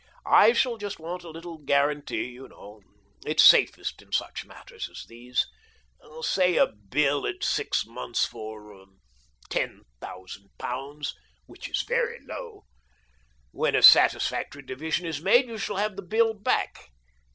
I shall just want a little guarantee, you know — it's safest in such matters as these ; say a bill at six months for ten thousand pounds — which is very low. When a satisfactory division is made you shall have the bill back.